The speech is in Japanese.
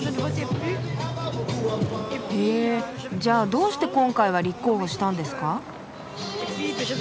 へじゃあどうして今回は立候補したんですか？